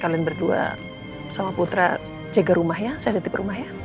kalian berdua sama putra jaga rumah ya saya titip rumah ya